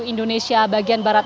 indonesia bagian barat